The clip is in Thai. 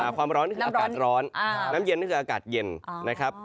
ความร้อนนี่คืออากาศร้อนน้ำเย็นนี่คืออากาศเย็นนะครับ